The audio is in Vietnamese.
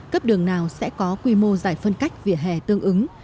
cấp đường nào sẽ có quy mô giải phân cách vỉa hè tương ứng